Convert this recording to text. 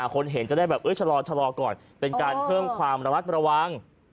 คนเห็นก็จะได้วิ่งก่อนเป็นการเพิ่งความระวัตรมาลวง